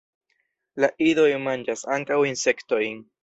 La idoj manĝas ankaŭ insektojn.